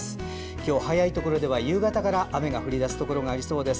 今日早いところでは夕方から雨が降り出すところがありそうです。